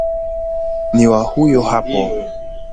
Ni wa huyo hapo